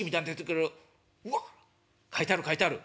うわっ書いてある書いてある。